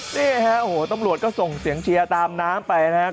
นี่ฮะโอ้โหตำรวจก็ส่งเสียงเชียร์ตามน้ำไปนะครับ